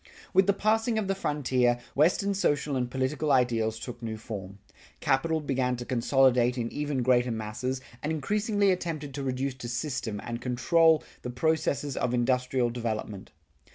With the passing of the frontier, Western social and political ideals took new form. Capital began to consolidate in even greater masses, and increasingly attempted to reduce to system and control the processes of industrial development.